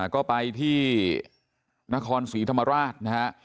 ก็ไปที่นครศรีธรรมราชนะฮะ